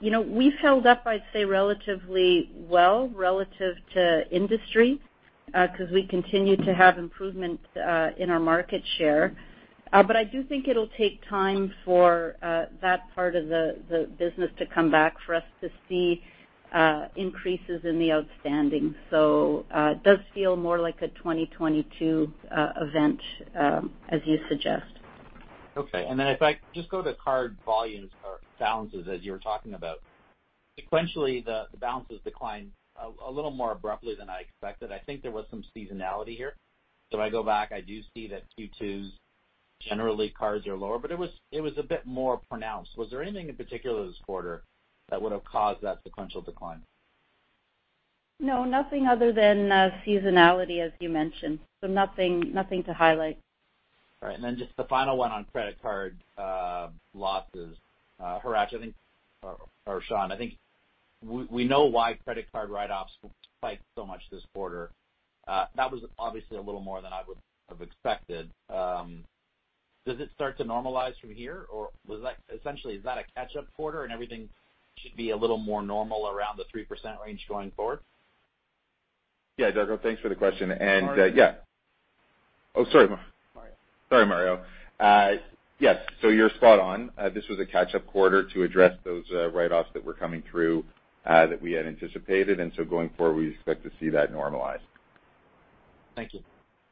We've held up, I'd say, relatively well relative to industry because we continue to have improvement in our market share. I do think it'll take time for that part of the business to come back for us to see increases in the outstanding. It does feel more like a 2022 event, as you suggest. Okay. If I just go to card volumes or balances, as you were talking about, sequentially, the balances declined a little more abruptly than I expected. I think there was some seasonality here. If I go back, I do see that Q2s, generally, cards are lower, but it was a bit more pronounced. Was there anything in particular this quarter that would have caused that sequential decline? No, nothing other than seasonality, as you mentioned. Nothing to highlight. All right. Just the final one on credit card losses. I think, or Shawn, I think we know why credit card write-offs spiked so much this quarter. That was obviously a little more than I would have expected. Does it start to normalize from here? Essentially, is that a catch-up quarter, and everything should be a little more normal around the 3% range going forward? Yeah, it does. Thanks for the question. Yeah. Oh, sorry. Sorry, Mario. Yes. You are spot on. This was a catch-up quarter to address those write-offs that were coming through that we had anticipated. Going forward, we expect to see that normalize. Thank you.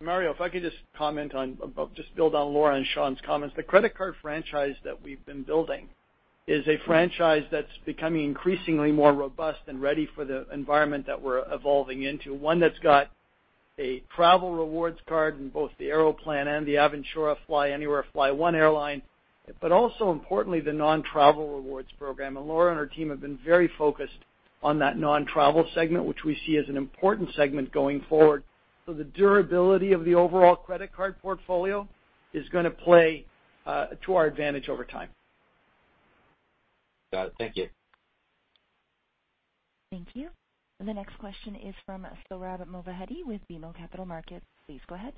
Mario, if I could just comment on, just build on Laura and Shawn's comments, the credit card franchise that we've been building is a franchise that's becoming increasingly more robust and ready for the environment that we're evolving into, one that's got a travel rewards card in both the Aeroplan and the Aventura Fly Anywhere, Fly One airline, but also, importantly, the non-travel rewards program. Laura and her team have been very focused on that non-travel segment, which we see as an important segment going forward. The durability of the overall credit card portfolio is going to play to our advantage over time. Got it. Thank you. Thank you. The next question is from Sohrab Movahedi with Cormark Securities. Please go ahead.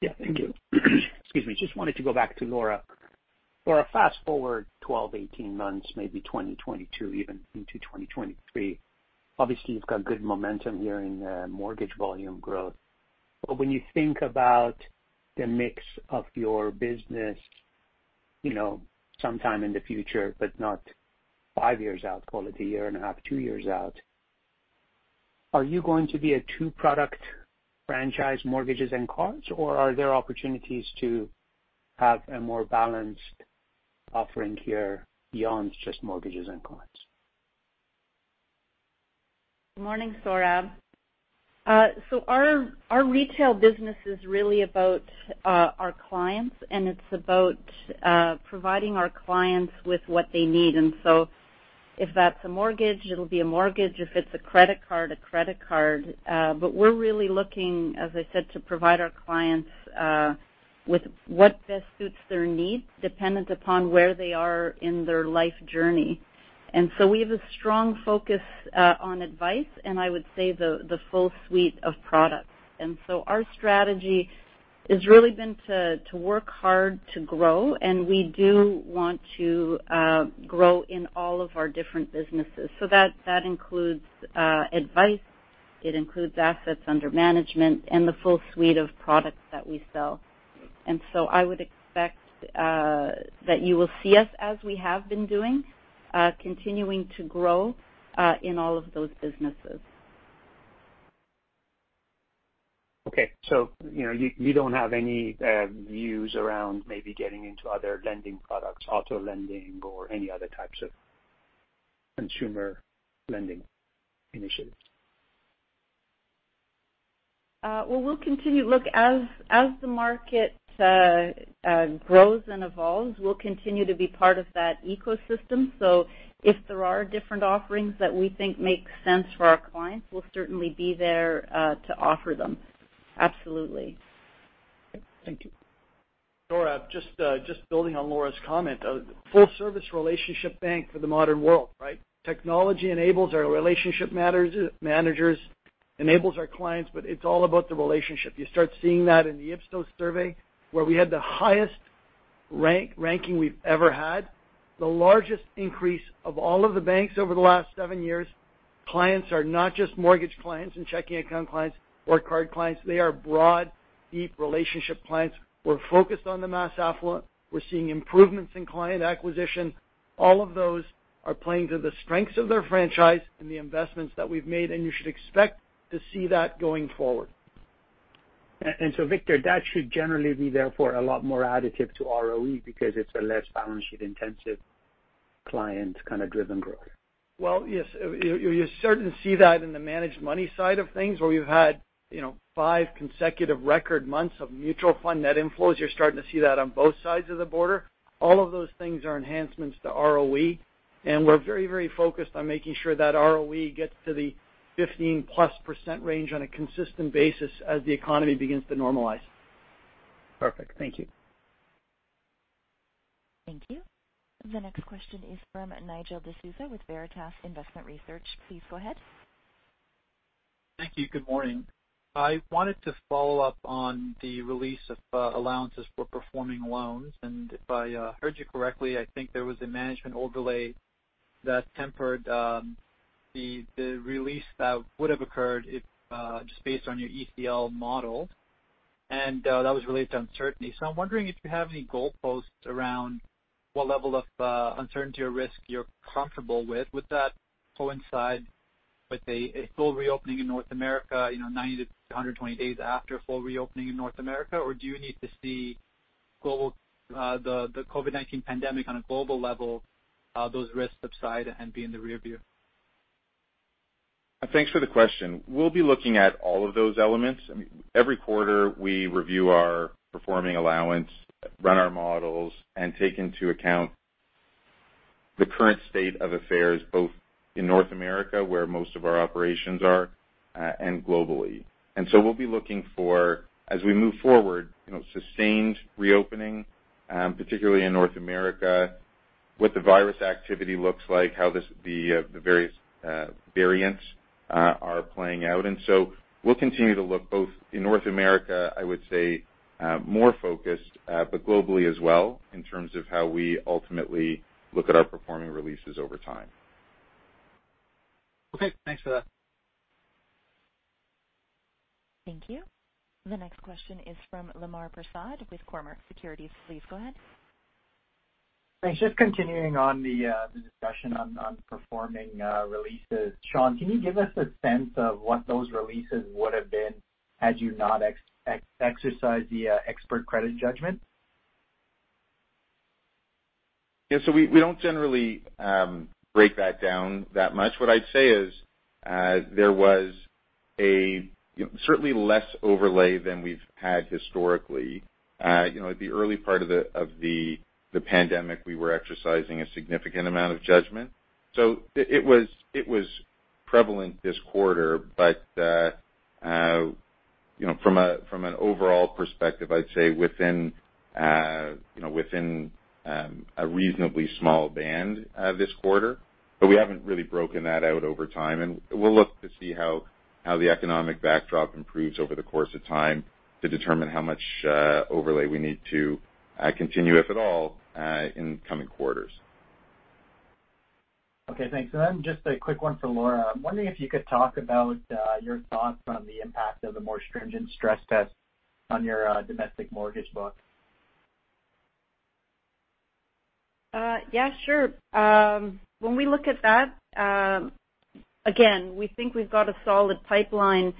Yeah. Thank you. Excuse me. Just wanted to go back to Laura. Laura, fast forward 12, 18 months, maybe 2022, even into 2023. Obviously, you've got good momentum here in mortgage volume growth. When you think about the mix of your business sometime in the future, but not five years out, call it a year and a half, two years out, are you going to be a two-product franchise, mortgages and cards, or are there opportunities to have a more balanced offering here beyond just mortgages and cards? Good morning, Sora. Our retail business is really about our clients, and it's about providing our clients with what they need. If that's a mortgage, it'll be a mortgage. If it's a credit card, a credit card. We're really looking, as I said, to provide our clients with what best suits their needs dependent upon where they are in their life journey. We have a strong focus on advice, and I would say the full suite of products. Our strategy has really been to work hard to grow, and we do want to grow in all of our different businesses. That includes advice. It includes assets under management and the full suite of products that we sell. I would expect that you will see us, as we have been doing, continuing to grow in all of those businesses. Okay. You do not have any views around maybe getting into other lending products, auto lending, or any other types of consumer lending initiatives? We will continue. As the market grows and evolves, we will continue to be part of that ecosystem. If there are different offerings that we think make sense for our clients, we will certainly be there to offer them. Absolutely. Thank you. Laura, just building on Laura's comment, full-service relationship bank for the modern world, right? Technology enables our relationship managers, enables our clients, but it's all about the relationship. You start seeing that in the Ipsos survey, where we had the highest ranking we've ever had, the largest increase of all of the banks over the last seven years. Clients are not just mortgage clients and checking account clients or card clients. They are broad, deep relationship clients. We're focused on the mass affluent. We're seeing improvements in client acquisition. All of those are playing to the strengths of their franchise and the investments that we've made, and you should expect to see that going forward. Victor, that should generally be there for a lot more additive to ROE because it's a less balance sheet intensive client kind of driven growth. Well, yes. You certainly see that in the managed money side of things, where we've had five consecutive record months of mutual fund net inflows. You're starting to see that on both sides of the border. All of those things are enhancements to ROE, and we're very, very focused on making sure that ROE gets to the 15+% range on a consistent basis as the economy begins to normalize. Perfect. Thank you. Thank you. The next question is from Nigel D'Souza with Veritas Investment Research. Please go ahead. Thank you. Good morning. I wanted to follow up on the release of allowances for performing loans. And if I heard you correctly, I think there was a management overlay that tempered the release that would have occurred just based on your ECL model, and that was related to uncertainty. I'm wondering if you have any goalposts around what level of uncertainty or risk you're comfortable with. Would that coincide with a full reopening in North America, 90-120 days after full reopening in North America, or do you need to see the COVID-19 pandemic on a global level, those risks subside and be in the rearview? Thanks for the question. We'll be looking at all of those elements. Every quarter, we review our performing allowance, run our models, and take into account the current state of affairs both in North America, where most of our operations are, and globally. We'll be looking for, as we move forward, sustained reopening, particularly in North America, what the virus activity looks like, how the various variants are playing out. We will continue to look both in North America, I would say, more focused, but globally as well, in terms of how we ultimately look at our performing releases over time. Okay. Thanks for that. Thank you. The next question is from Lemar Persaud with Cormark Securities. Please go ahead. Thanks. Just continuing on the discussion on performing releases. Shawn, can you give us a sense of what those releases would have been had you not exercised the expert credit judgment? Yeah. We do not generally break that down that much. What I would say is there was certainly less overlay than we have had historically. At the early part of the pandemic, we were exercising a significant amount of judgment. It was prevalent this quarter, but from an overall perspective, I would say within a reasonably small band this quarter. We have not really broken that out over time. We will look to see how the economic backdrop improves over the course of time to determine how much overlay we need to continue, if at all, in coming quarters. Okay. Thanks. Just a quick one for Laura. I'm wondering if you could talk about your thoughts on the impact of a more stringent stress test on your domestic mortgage book. Yeah. Sure. When we look at that, again, we think we've got a solid pipeline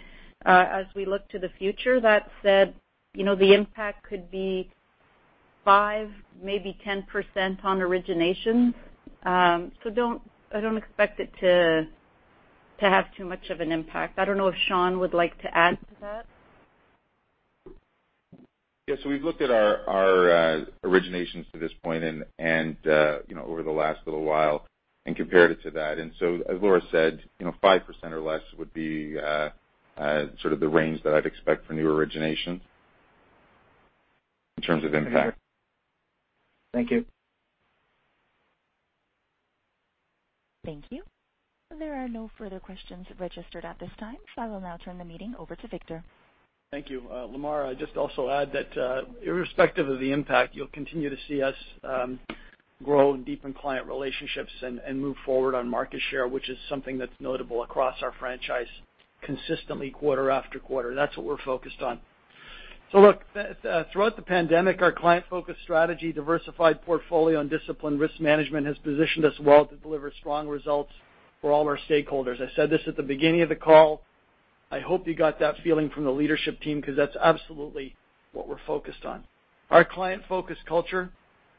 as we look to the future. That said, the impact could be 5%-10 on originations. I do not expect it to have too much of an impact. I do not know if Shawn would like to add to that. Yeah. We have looked at our originations to this point and over the last little while and compared it to that. As Laura said, 5% or less would be sort of the range that I'd expect for new originations in terms of impact. Thank you. Thank you. There are no further questions registered at this time. I will now turn the meeting over to Victor. Thank you. Lemar, I'll just also add that irrespective of the impact, you'll continue to see us grow and deepen client relationships and move forward on market share, which is something that's notable across our franchise consistently quarter-after-quarter. That's what we're focused on. Throughout the pandemic, our client-focused strategy, diversified portfolio, and disciplined risk management has positioned us well to deliver strong results for all our stakeholders. I said this at the beginning of the call. I hope you got that feeling from the leadership team because that's absolutely what we're focused on. Our client-focused culture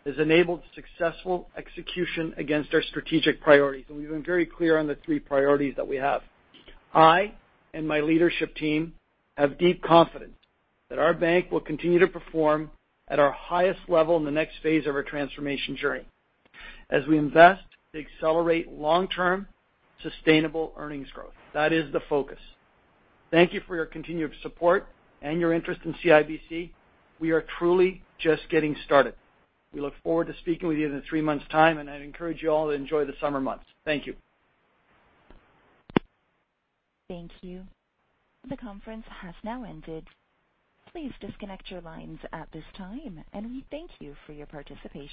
has enabled successful execution against our strategic priorities. We have been very clear on the three priorities that we have. I and my leadership team have deep confidence that our bank will continue to perform at our highest level in the next phase of our transformation journey as we invest to accelerate long-term sustainable earnings growth. That is the focus. Thank you for your continued support and your interest in CIBC. We are truly just getting started. We look forward to speaking with you in three months' time, and I encourage you all to enjoy the summer months. Thank you. Thank you. The conference has now ended. Please disconnect your lines at this time, and we thank you for your participation.